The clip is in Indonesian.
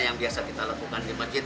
yang biasa kita lakukan di masjid